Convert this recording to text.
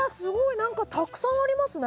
何かたくさんありますね。